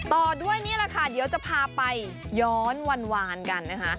ต่อด้วยนี่แหละค่ะเดี๋ยวจะพาไปย้อนวานกันนะคะ